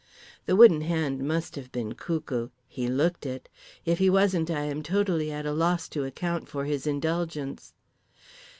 The Wooden Hand must have been cuckoo—he looked it. If he wasn't I am totally at a loss to account for his indulgence.